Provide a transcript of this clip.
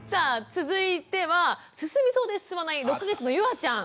続いては進みそうで進まない６か月のゆあちゃん。